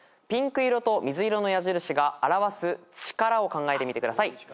ピンク色と水色の矢印が表す力を考えてみてください。